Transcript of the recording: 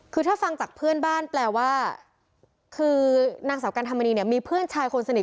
คือถ้าฟังจากเพื่อนบ้านแปลว่าคือนางสาวกันธรรมนีเนี่ยมีเพื่อนชายคนสนิท